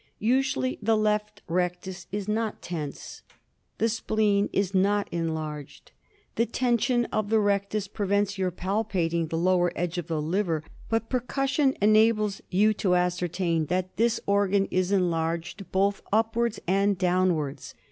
Usually the left rectus is not tense. The spleen is not enlarged. The tension of the rectus prevents your palpating the lower edge of the liver, but percussion enables you to ascertain that this organ is en larged, both upwards and downwards.